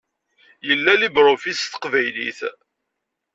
Yella LibreOffice s teqbaylit.